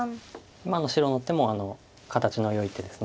今の白の手も形のよい手です。